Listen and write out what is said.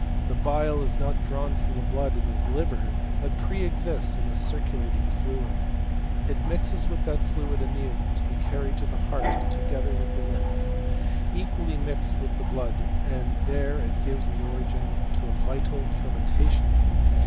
The bile is not drawn from the blood in the liver, but pre exists in the circulating fluid* It mixea with that fluid anew to be carried to the heart together with the lympky equally mixed with the Uood, and there it gives origin to a vital fermentation.